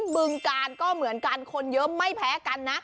บึงกาลก็เหมือนกันคนเยอะไม่แพ้กันนะ